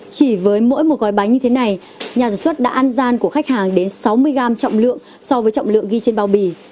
chỉ với mỗi một gói bánh như thế này nhà sản xuất đã ăn gian của khách hàng đến sáu mươi gram trọng lượng so với trọng lượng ghi trên bao bì